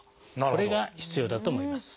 これが必要だと思います。